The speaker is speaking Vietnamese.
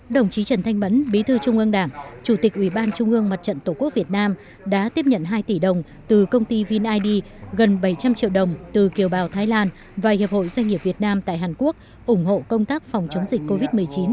đồng chí trần thanh bẫn bí thư trung ương đảng chủ tịch ủy ban trung ương mặt trận tổ quốc việt nam đã tiếp nhận hai tỷ đồng từ công ty vinid gần bảy trăm linh triệu đồng từ kiều bào thái lan và hiệp hội doanh nghiệp việt nam tại hàn quốc ủng hộ công tác phòng chống dịch covid một mươi chín